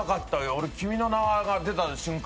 俺「君の名は。」が出た瞬間